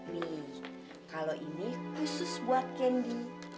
nih kalau ini khusus buat kendi